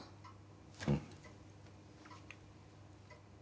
うん。